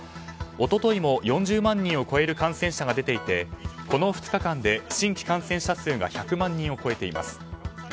一昨日も４０万人を超える感染者が出ていてこの２日間で新規感染者数が１００万人を超えています。